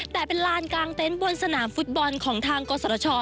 แต่เป็นลานกลางเต็นต์บนสนามฟุตบอลของทางกศช